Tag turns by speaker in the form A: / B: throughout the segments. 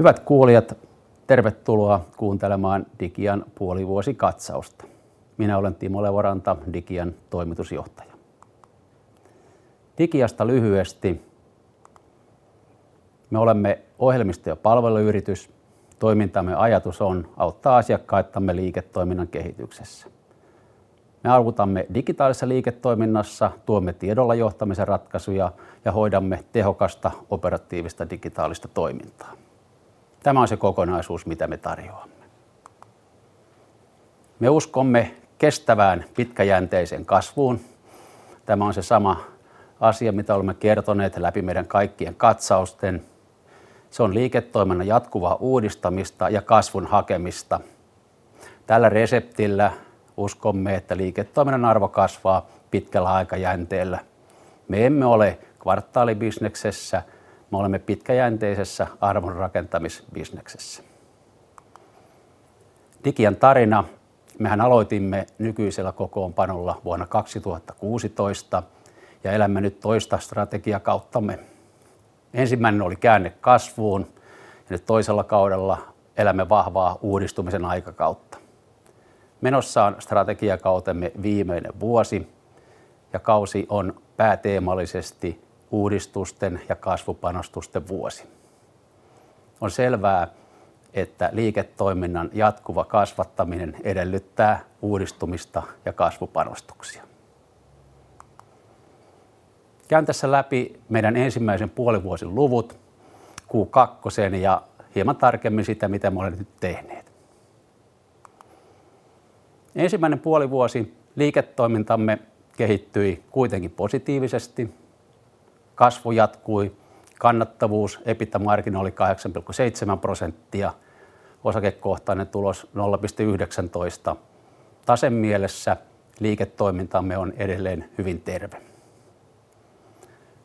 A: Hyvät kuulijat, tervetuloa kuuntelemaan Digian puolivuosikatsausta. Minä olen Timo Levoranta, Digian toimitusjohtaja. Digiasta lyhyesti. Me olemme ohjelmisto- ja palveluyritys. Toimintamme ajatus on auttaa asiakkaitamme liiketoiminnan kehityksessä. Me autamme digitaalisessa liiketoiminnassa, tuomme tiedolla johtamisen ratkaisuja ja hoidamme tehokasta operatiivista digitaalista toimintaa. Tämä on se kokonaisuus, mitä me tarjoamme. Me uskomme kestävään pitkäjänteiseen kasvuun. Tämä on se sama asia, mitä olemme kertoneet läpi meidän kaikkien katsausten. Se on liiketoiminnan jatkuvaa uudistamista ja kasvun hakemista. Tällä reseptillä uskomme, että liiketoiminnan arvo kasvaa pitkällä aikajänteellä. Me emme ole kvartaalibisneksessä. Me olemme pitkäjänteisessä arvonrakentamisbisneksessä. Digian tarina. Mehän aloitimme nykyisellä kokoonpanolla vuonna 2016 ja elämme nyt toista strategiakauttamme. Ensimmäinen oli käänne kasvuun ja nyt toisella kaudella elämme vahvaa uudistumisen aikakautta. Menossa on strategiakautemme viimeinen vuosi, ja kausi on pääteemallisesti uudistusten ja kasvupanostusten vuosi. On selvää, että liiketoiminnan jatkuva kasvattaminen edellyttää uudistumista ja kasvupanostuksia. Käyn tässä läpi meidän ensimmäisen puolivuoden luvut Q2:een ja hieman tarkemmin siitä, mitä me olemme nyt tehneet. Ensimmäinen puolivuosi liiketoimintamme kehittyi kuitenkin positiivisesti. Kasvu jatkui, kannattavuus, EBITDA-marginaali oli 8.7%, osakekohtainen tulos EUR 0.19. Tasoltaan liiketoimintamme on edelleen hyvin terve.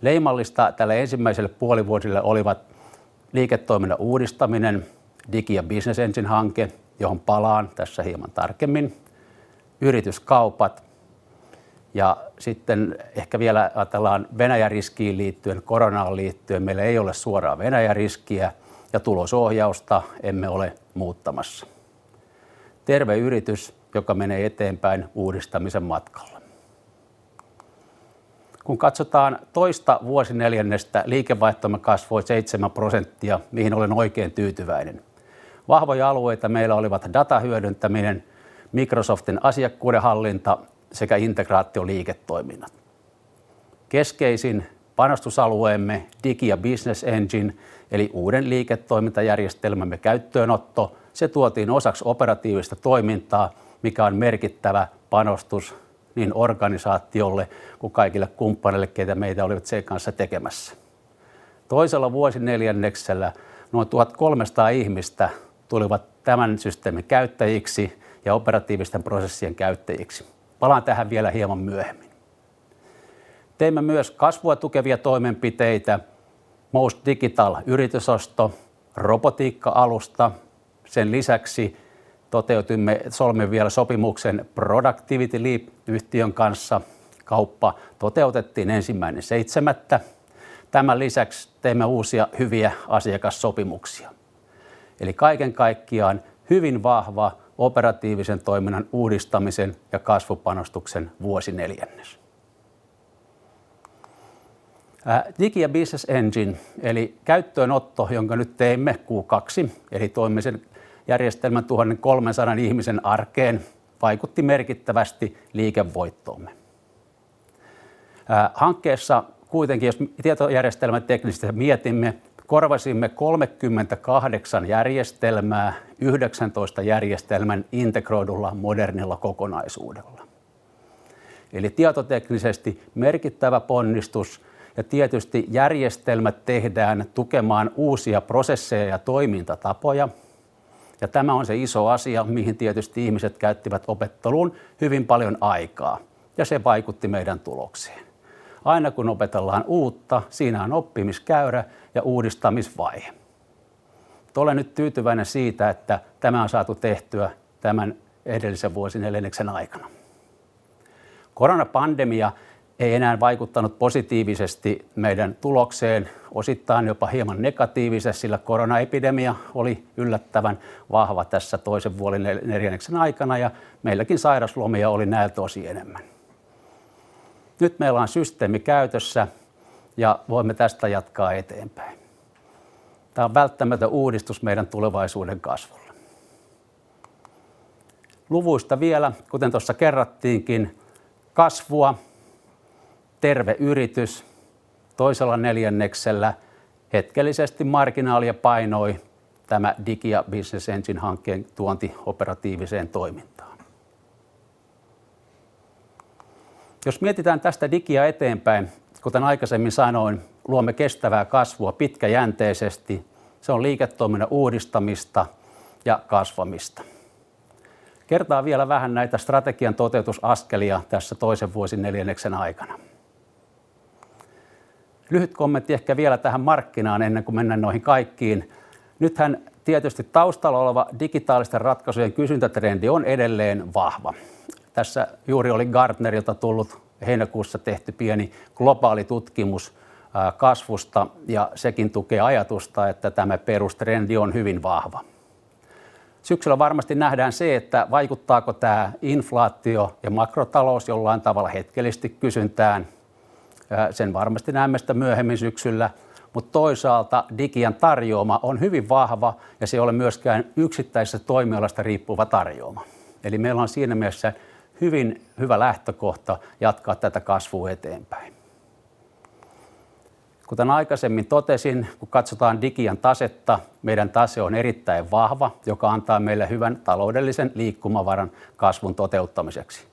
A: Leimallista tälle ensimmäiselle puolivuodelle olivat liiketoiminnan uudistaminen, Digia Business Engine -hanke, johon palaan tässä hieman tarkemmin, yrityskaupat. Ehkä vielä ajatellaan Venäjän riskiin liittyen, koronaan liittyen meillä ei ole suoraa Venäjän riskiä ja tulosohjausta emme ole muuttamassa. Terve yritys, joka menee eteenpäin uudistamisen matkalla. Kun katsotaan toista vuosineljännystä, liikevaihtomme kasvoi 7%, mihin olen oikein tyytyväinen. Vahvoja alueita meillä olivat datan hyödyntäminen, Microsoftin asiakkuudenhallinta sekä integraatioliiketoiminnat. Keskeisin panostusalueemme Digia Business Engine eli uuden liiketoimintajärjestelmämme käyttöönotto. Se tuotiin osaksi operatiivista toimintaa, mikä on merkittävä panostus niin organisaatiolle kuin kaikille kumppaneille, ketkä meitä olivat sen kanssa tekemässä. Toisella vuosineljänneksellä noin 1,300 ihmistä tulivat tämän systeemin käyttäjiksi ja operatiivisten prosessien käyttäjiksi. Palaan tähän vielä hieman myöhemmin. Teemme myös kasvua tukevia toimenpiteitä. MOST Digital yritysosto, robotiikka-alusta. Sen lisäksi toteutimme solmimme vielä sopimuksen Productivity Leap -yhtiön kanssa. Kauppa toteutettiin 1.7. Tämän lisäksi teemme uusia hyviä asiakassopimuksia. Eli kaiken kaikkiaan hyvin vahva operatiivisen toiminnan uudistamisen ja kasvupanostuksen vuosineljännes. Digia Business Engine eli käyttöönotto, jonka nyt teimme Q2. Eli toimii sen järjestelmän 1,300 ihmisen arkeen, vaikutti merkittävästi liikevoittoomme. Hankkeessa kuitenkin, jos tietojärjestelmäteknisesti mietimme, korvasimme 38 järjestelmää 19 järjestelmän integroidulla modernilla kokonaisuudella. Eli tietoteknisesti merkittävä ponnistus. Tietysti järjestelmät tehdään tukemaan uusia prosesseja ja toimintatapoja. Tämä on se iso asia, mihin tietysti ihmiset käyttivät opetteluun hyvin paljon aikaa, ja se vaikutti meidän tulokseen. Aina kun opetellaan uutta, siinä on oppimiskäyrä ja uudistamisvaihe. Olen nyt tyytyväinen siitä, että tämä on saatu tehtyä tämän edellisen vuosineljänneksen aikana. Koronapandemia ei enää vaikuttanut positiivisesti meidän tulokseen, osittain jopa hieman negatiivisesti, sillä koronaepidemia oli yllättävän vahva tässä toisen vuosineljänneksen aikana ja meilläkin sairaslomia oli näiltä osin enemmän. Nyt meillä on systeemi käytössä ja voimme tästä jatkaa eteenpäin. Tää on välttämätön uudistus meidän tulevaisuuden kasvulle. Luvuista vielä, kuten tuossa kerrattiinkin, kasvua. Terve yritys toisella neljänneksellä hetkellisesti marginaalia painoi tämä Digia Business Engine -hankkeen tuonti operatiiviseen toimintaan. Jos mietitään tästä Digiaa eteenpäin, kuten aikaisemmin sanoin, luomme kestävää kasvua pitkäjänteisesti. Se on liiketoiminnan uudistamista ja kasvamista. Kertaan vielä vähän näitä strategian toteutusaskelia tässä toisen vuosineljänneksen aikana. Lyhyt kommentti ehkä vielä tähän markkinaan ennen kuin mennään noihin kaikkiin. Nythän tietysti taustalla oleva digitaalisten ratkaisujen kysyntätrendi on edelleen vahva. Tässä juuri oli Gartnerilta tullut heinäkuussa tehty pieni globaali tutkimus kasvusta, ja sekin tukee ajatusta, että tämä perustrendi on hyvin vahva. Syksyllä varmasti nähdään se, että vaikuttaako tää inflaatio ja makrotalous jollain tavalla hetkellisesti kysyntään. Sen varmasti näemme sitä myöhemmin syksyllä, mutta toisaalta Digian tarjooma on hyvin vahva ja se ei ole myöskään yksittäisistä toimialoista riippuva tarjooma. Eli meillä on siinä mielessä hyvin hyvä lähtökohta jatkaa tätä kasvua eteenpäin. Kuten aikaisemmin totesin, kun katsotaan Digian tasetta, meidän tase on erittäin vahva, joka antaa meille hyvän taloudellisen liikkumavaran kasvun toteuttamiseksi.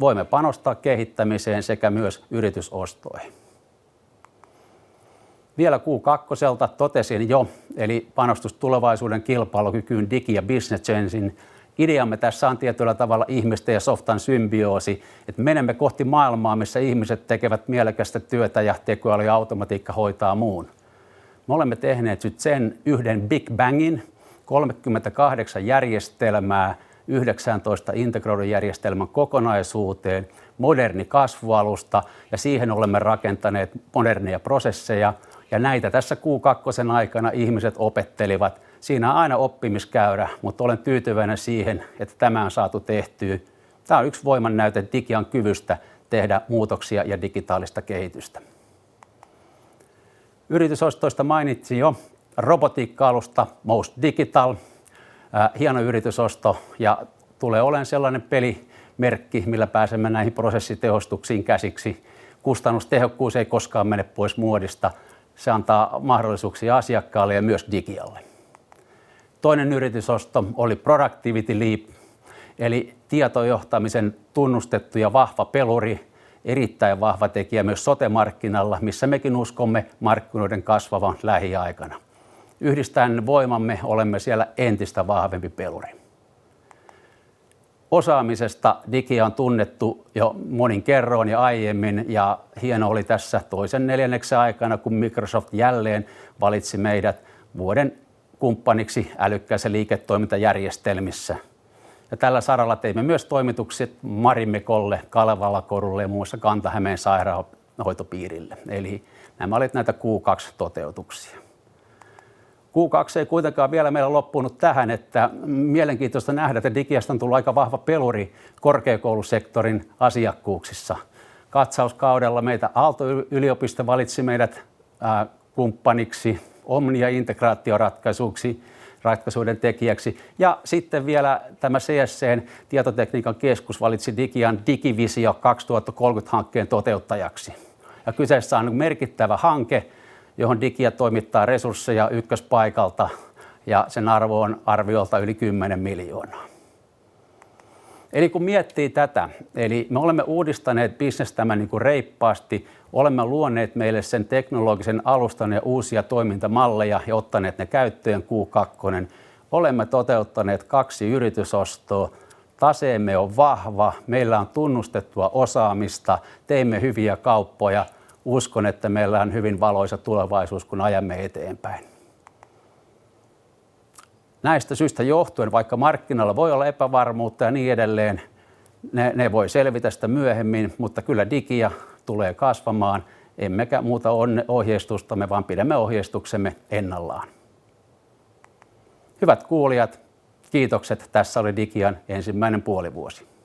A: Voimme panostaa kehittämiseen sekä myös yritysostoihin. Vielä Q2:lta totesin jo, eli panostus tulevaisuuden kilpailukykyyn Digia Business Enginen. Ideamme tässä on tietyllä tavalla ihmisten ja softan symbioosi, että menemme kohti maailmaa, missä ihmiset tekevät mielekästä työtä ja tekoäly ja automatiikka hoitaa muun. Me olemme tehneet nyt sen yhden Big bangin 38 järjestelmää 19 integroidun järjestelmän kokonaisuuteen. Moderni kasvualusta ja siihen olemme rakentaneet moderneja prosesseja ja näitä tässä Q2 aikana ihmiset opettelivat. Siinä on aina oppimiskäyrä, mutta olen tyytyväinen siihen, että tämä on saatu tehtyä. Tää on yksi voimannäyte Digian kyvystä tehdä muutoksia ja digitaalista kehitystä. Yritysostoista mainitsin jo robotiikka-alusta MOST Digital. Hieno yritysosto ja tulee oleen sellainen pelimerkki, millä pääsemme näihin prosessitehostuksiin käsiksi. Kustannustehokkuus ei koskaan mene pois muodista. Se antaa mahdollisuuksia asiakkaalle ja myös Digialle. Toinen yritysosto oli Productivity Leap eli tietojohtamisen tunnustettu ja vahva peluri. Erittäin vahva tekijä myös sote-markkinalla, missä mekin uskomme markkinoiden kasvavan lähiaikana. Yhdistäen voimamme olemme siellä entistä vahvempi peluri. Osaamisesta Digia on tunnettu jo monin kerroin ja aiemmin, ja hieno oli tässä toisen neljänneksen aikana, kun Microsoft jälleen valitsi meidät vuoden kumppaniksi älykkäissä liiketoimintajärjestelmissä. Tällä saralla teimme myös toimitukset Marimekolle, Kalevala Korulle ja muun muassa Kanta-Hämeen sairaanhoitopiirille. Eli nämä olivat näitä Q2 toteutuksia. Q2 ei kuitenkaan vielä meillä loppunut tähän, että mielenkiintoista nähdä, että Digiasta on tullut aika vahva peluri korkeakoulusektorin asiakkuuksissa. Katsauskaudella Aalto-yliopisto valitsi meidät kumppaniksi Omnian integraatioratkaisuksi ratkaisuiden tekijäksi. Sitten vielä tämä CSC – Tieteen tietotekniikan keskus valitsi Digian Digivisio 2030 -hankkeen toteuttajaksi. Kyseessä on merkittävä hanke, johon Digia toimittaa resursseja ykköspaikalta ja sen arvo on arviolta yli EUR 10 miljoonaa. Eli kun miettii tätä, eli me olemme uudistaneet bisnestämme niinku reippaasti. Olemme luoneet meille sen teknologisen alustan ja uusia toimintamalleja ja ottaneet ne käyttöön Q2. Olemme toteuttaneet 2 yritysostoa. Taseemme on vahva. Meillä on tunnustettua osaamista. Teemme hyviä kauppoja. Uskon, että meillä on hyvin valoisa tulevaisuus, kun ajamme eteenpäin. Näistä syistä johtuen, vaikka markkinalla voi olla epävarmuutta ja niin edelleen, ne voi selvitä sitä myöhemmin. Mutta kyllä Digia tulee kasvamaan. Emmekä muuta ohjeistustamme, vaan pidämme ohjeistuksemme ennallaan. Hyvät kuulijat, kiitokset. Tässä oli Digian ensimmäinen puolivuosi.